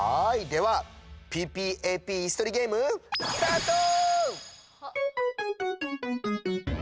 ではＰＰＡＰイスとりゲームスタート！